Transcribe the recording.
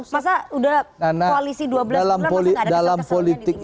masa sudah koalisi dua belas bulan masa tidak ada kesel keselnya ditinggal